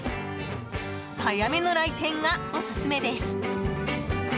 早めの来店がオススメです。